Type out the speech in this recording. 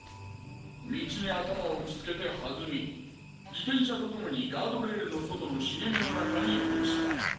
道に頭を打ちつけて弾み自転車とともにガードレールの外の茂みの中に落ちた。